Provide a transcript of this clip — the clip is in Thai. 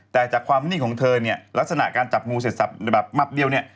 แต่จากความมิ่งของเธอเนี่ยลักษณะการจับงูเสศทรรพแบบใหม่อะ